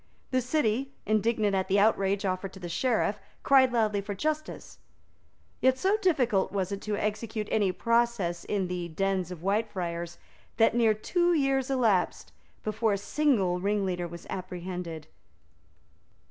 The City, indignant at the outrage offered to the Sheriff, cried loudly for justice. Yet, so difficult was it to execute any process in the dens of Whitefriars, that near two years elapsed before a single ringleader was apprehended.